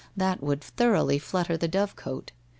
That would thoroughly flutter the dove cote.